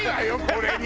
これに！